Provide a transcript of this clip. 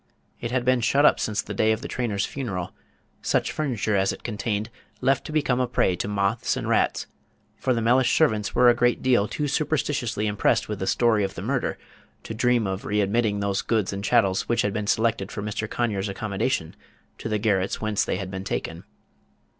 It had been shut up since the day of the trainer's funeral, such furniture as it contained left to become a prey to moths and rats; for the Mellish servants were a great deal too superstitiously impressed with the story of the murder to dream of readmitting those goods and chattels which had been selected for Mr. Conyers' accommodation to the garrets whence they had been taken.